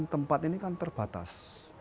tempat ini kan terbatas